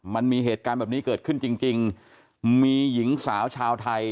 มันมีเหตุการณ์แบบนี้เกิดขึ้นจริงจริงมีหญิงสาวชาวไทย